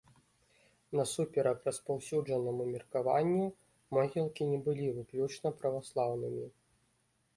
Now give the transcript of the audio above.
Насуперак распаўсюджанаму меркаванню, могілкі не былі выключна праваслаўнымі.